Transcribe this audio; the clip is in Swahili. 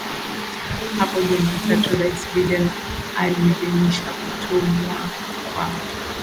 Hapo Jumatatu Rais Biden aliidhinisha kutumwa kwa